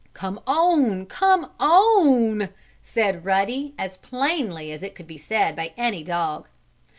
"Come on! Come on!" said Ruddy, as plainly as it could be said by any dog.